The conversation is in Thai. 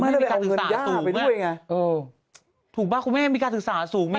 ผมไม่ได้ไปเอาเงินย่าไปด้วยไงไม่คุณแม่มีการถึงสาธิสูงไม่กัน